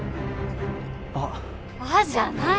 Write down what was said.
あっ「あっ」じゃない